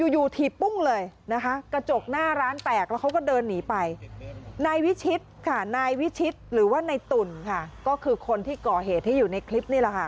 อยู่ถีบปุ้งเลยนะคะ